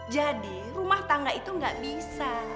rumah tangga itu gak bisa